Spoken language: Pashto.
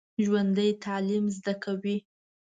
ژوندي تعلیم زده کوي